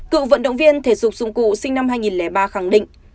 cựu vận động viên thể dục dụng cụ sinh năm hai nghìn ba khẳng định